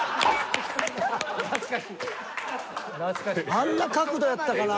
あんな角度やったかな？